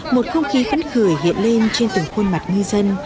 một không khí phấn khởi hiện lên trên từng khuôn mặt ngư dân